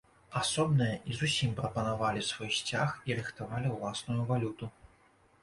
Асобныя і зусім прапанавалі свой сцяг і рыхтавалі ўласную валюту.